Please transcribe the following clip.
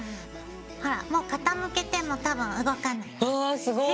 ほらもう傾けても多分動かない。